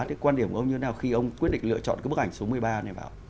thì quan điểm của ông như thế nào khi ông quyết định lựa chọn cái bức ảnh số một mươi ba này vào